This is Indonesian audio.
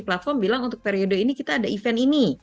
platform bilang untuk periode ini kita ada event ini